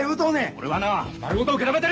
俺はな丸ごと受け止めてる！